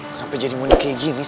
kenapa jadi mondi seperti ini